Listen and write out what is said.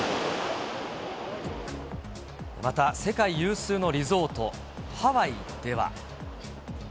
また、世界有数のリゾート、ハワイでは。